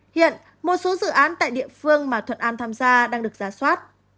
hiện một số dự án tại địa phương mà thuận an tham gia đang được giả soát